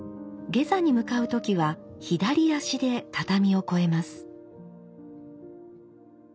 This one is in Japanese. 下座に向かう時は左足で畳を越えます。